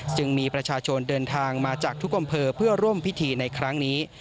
จึงมีประชาชนเดินทางมาจากทุกอำเภอเพื่อร่วมพิธีในครั้งนี้